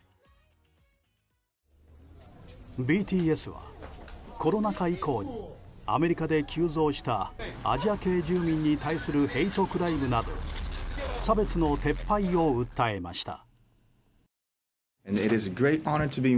ＢＴＳはコロナ禍以降にアメリカで急増したアジア系住民に対するヘイトクライムなど差別の撤廃を訴えました。